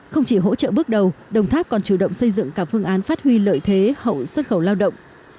không chỉ hỗ trợ bước đầu đồng tháp còn chủ động xây dựng cả phương án phát huy lợi thế hậu xuất khẩu lao động